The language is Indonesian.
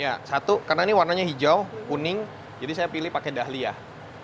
ya satu karena ini warnanya hijau kuning jadi saya pilih pakai dahliah